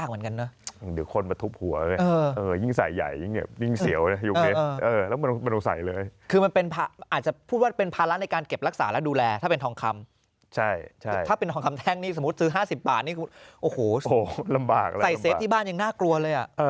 ภัดปัชฌาโมะอาจจะพูดว่าเป็นภาระในการเก็บรักษาและดูแลถ้าเป็นทองคำใช่ค่ะหัวว่าโทษลำบากในบ้านยังน่ากลัวเลยอ่ะ